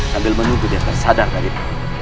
sambil menunggu dia tersadar adil